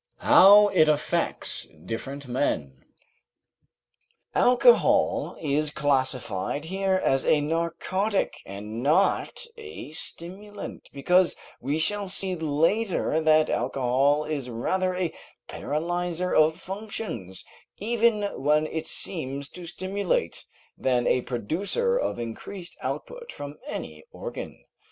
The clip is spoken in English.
HOW IT AFFECTS DIFFERENT MEN Alcohol is classed here as a narcotic and not a stimulant, because we shall see later that alcohol is rather a paralyzer of functions, even when it seems to stimulate, than a producer of increased output from any organ.